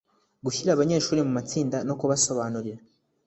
Gushyira abanyeshuri mu matsinda no kubasobanurira